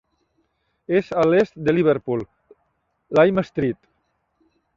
És a l'est de Liverpool Lime Street.